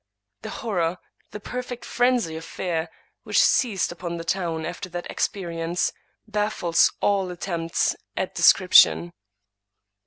The horror, the perfect frenzy of fear, which seized upon the town after that experience, baffles all attempt at description.